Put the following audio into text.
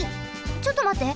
ちょっとまって。